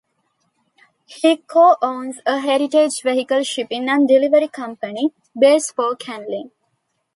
He co-owns a heritage vehicle shipping and delivery company, Bespoke Handling.